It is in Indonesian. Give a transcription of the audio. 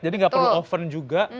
jadi gak perlu oven juga